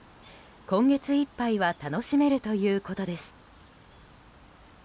今月いっぱいは楽しめるということです。